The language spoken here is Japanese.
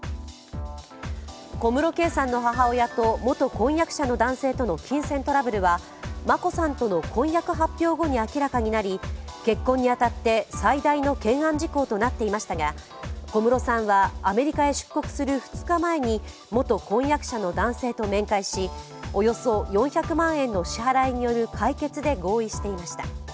小室圭さんの母親と元婚約者の男性との金銭トラブルは眞子さんとの婚約発表後に明らかになり結婚に当たって最大の懸案事項となっていましたが、小室さんはアメリカに出国する２日前に元婚約者の男性と面会しおよそ４００万円の支払いによる解決で合意していました。